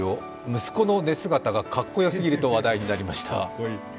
息子の寝姿がかっこよすぎると話題になりました。